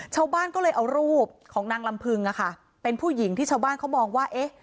ชาวบ้านก็เลยเอารูปของนางลำพึงอะค่ะเป็นผู้หญิงที่ชาวบ้านเขามองว่าเอ๊ะ